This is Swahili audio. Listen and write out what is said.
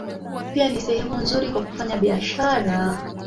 Pia ni sehemu nzuri kwa kufanya biashara.